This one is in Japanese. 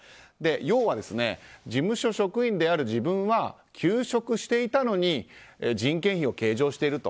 要は、事務所職員である自分は休職していたのに人件費を計上していると。